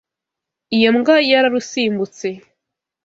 Iyo mbwa yararusimbutse.